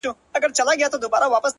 نن شپه له رويا سره خبرې وکړه’